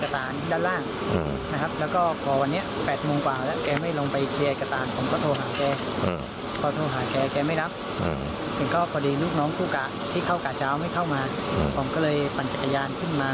ที่พ่อยไม่เข้ามาผมก็เลยปั่นจากกระยานขึ้นมา